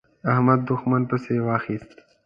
احمد؛ دوښمن پسې واخيست.